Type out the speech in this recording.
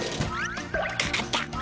かかった！